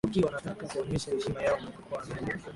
Waturuki wanataka kuonyesha heshima yao na kukuamini